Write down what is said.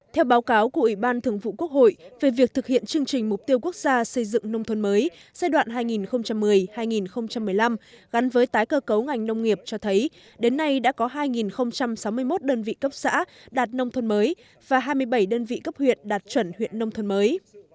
theo báo cáo của ủy ban thường vụ quốc hội về việc thực hiện chương trình mục tiêu quốc gia xây dựng nông thôn mới giai đoạn hai nghìn một mươi hai nghìn một mươi năm gắn với tái cơ cấu ngành nông nghiệp cho thấy đến nay đã có hai sáu mươi một đơn vị cấp xã đạt nông thôn mới và hai mươi bảy đơn vị cấp huyện đạt chuẩn huyện nông thôn mới